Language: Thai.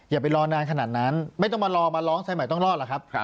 อย่าไปรอนานขนาดนั้นไม่ต้องมารอมาร้องสายใหม่ต้องรอดหรอกครับ